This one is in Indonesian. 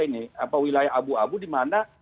ini wilayah abu abu dimana